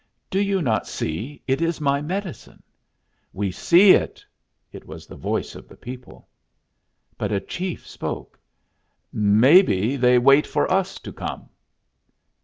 Do you not see it is my medicine?" "We see it." It was the voice of the people. But a chief spoke. "Maybe they wait for us to come."